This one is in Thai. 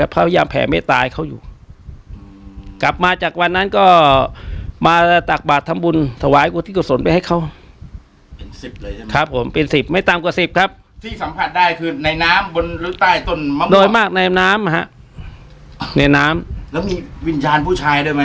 เกิดเธอครับพระพุทธยามแผ่ไม่ตายเขาอยู่กลับมาจากวันนั้นก็มาตักบาททำบุญสวายกว่าที่กุศลไปให้เขาครับผมเป็นสิบไม่ต่ำกว่าสิบครับที่สัมผัสได้คือในน้ำบนหรือใต้ต้นมะมะมากในน้ำฮะในน้ำแล้วมีวิญญาณผู้ชาย